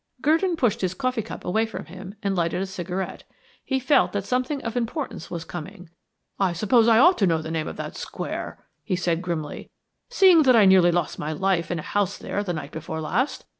Gurdon pushed his coffee cup away from him, and lighted a cigarette. He felt that something of importance was coming. "I suppose I ought to know the name of the square," he said grimly. "Seeing that I nearly lost my life in a house there the night before last.